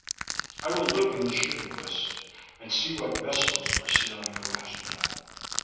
I will look in the shipping list, and see what vessels are sailing for Amsterdam.